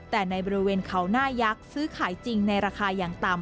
แต่ในบริเวณเขาหน้ายักษ์ซื้อขายจริงในราคาอย่างต่ำ